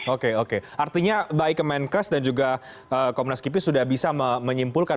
oke oke artinya baik kemenkes dan juga komnas kipis sudah bisa menyimpulkan